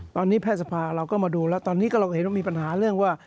ตอนนี้ก็เห็นก็มีปัญหาว่า